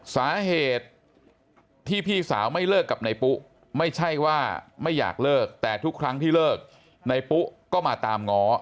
สาเหตุที่พี่สาวไม่เลิกกับนายปุ๊ไม่ใช่ว่าไม่อยากเลิกแต่ทุกครั้งที่เลิกในปุ๊ก็มาตามง้อ